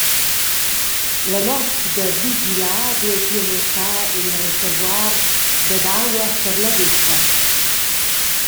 La notg da vigilar duei pia mussar il reservuar dad «aua per la veta.»